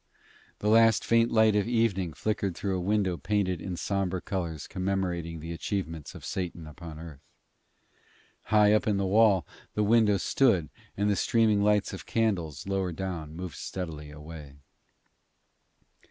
The last faint light of evening flickered through a window painted in sombre colours commemorating the achievements of Satan upon Earth. High up in the wall the window stood, and the streaming lights of candles lower down moved stealthily away.